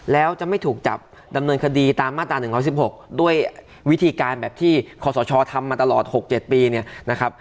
แล้วจะไม่ถูกจับดำเนินคดีตามมาตรา๑๑๖ด้วยวิธีการแบบที่ขอสชทำมาตลอด๖๗ปีเนี่ยนะครับ